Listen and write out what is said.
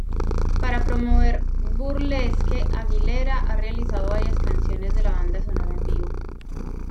Para promover "Burlesque", Aguilera ha realizado varias canciones de la banda sonora en vivo.